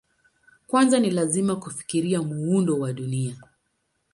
Kwanza ni lazima kufikiria muundo wa Dunia.